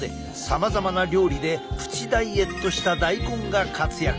さまざまな料理でプチダイエットした大根が活躍！